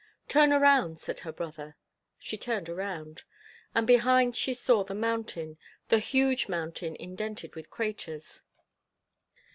"Turn around," said her brother. She turned around. And behind she saw the mountain, the huge mountain indented with craters.